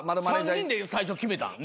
３人で最初決めたん？